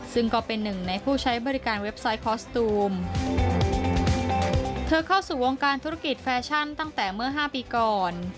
ซึ่งก็เป็นหนึ่งในผู้ใช้บริการเว็บไซต์คอสตูมเธอเข้าสู่วงการธุรกิจแฟชั่นตั้งแต่เมื่อห้าปีก่อน